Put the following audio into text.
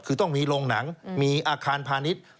คือต้องมีโรงหนังมีอาคารพาณิชย์